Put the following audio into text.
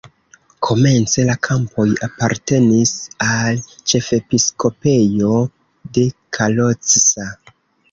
Komence la kampoj apartenis al ĉefepiskopejo de Kalocsa.